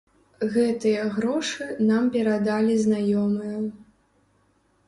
Гэтыя грошы нам перадалі знаёмыя.